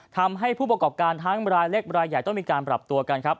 ทำให้ผู้ประกอบการทั้งรายเล็กรายใหญ่ต้องมีการปรับตัวกันครับ